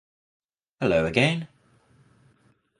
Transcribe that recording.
Hello Again!